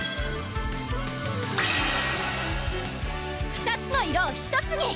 ２つの色を１つに！